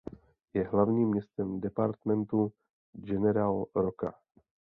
Je hlavním městem departementu General Roca.